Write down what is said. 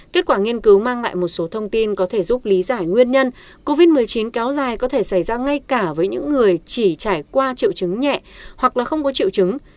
kết quả nghiên cứu mang lại một số thông tin có thể giúp lý giải nguyên nhân covid một mươi chín kéo dài có thể xảy ra ngay cả với những người chỉ trải qua triệu chứng nhẹ hoặc là không có triệu chứng